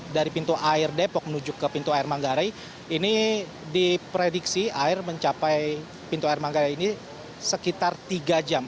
dari pintu air depok menuju ke pintu air manggarai ini diprediksi air mencapai pintu air manggarai ini sekitar tiga jam